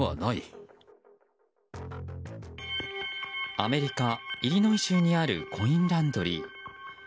アメリカ・イリノイ州にあるコインランドリー。